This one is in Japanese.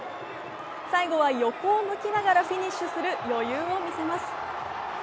最後は横を向きながらフィニッシュする余裕を見せます。